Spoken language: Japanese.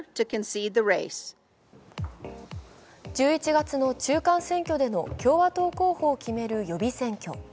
１１月の中間選挙での共和党候補を決める予備選挙。